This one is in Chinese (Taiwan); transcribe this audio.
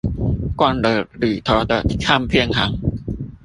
逛了裏頭的唱片行